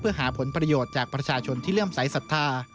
เพื่อหาผลประโยชน์จากประชาชนที่เริ่มสายศรัทธา